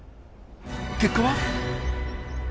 結果は？